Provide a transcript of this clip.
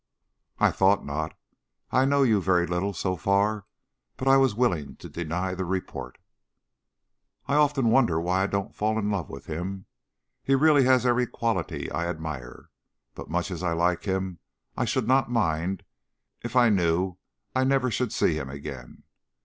"I thought not. I know you very little, so far, but I was willing to deny the report." "I often wonder why I don't fall in love with him. He really has every quality I admire. But much as I like him I should not mind if I knew I never should see him again.